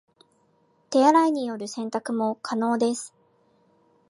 手洗いによる洗濯も可能です